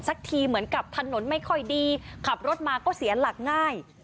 สักทีเหมือนกับทะนดไม่ดีขับรถมาก็เสียหลักง่าย